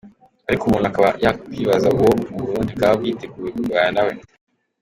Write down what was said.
Ariko umuntu akaba yakwibaza uwo u Burundi bwaba bwiteguye kurwana nawe.